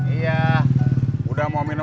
iya udah mau minum